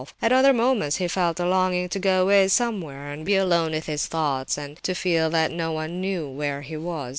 At other moments he felt a longing to go away somewhere and be alone with his thoughts, and to feel that no one knew where he was.